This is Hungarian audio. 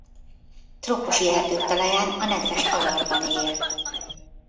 Trópusi erdők talaján a nedves avarban él.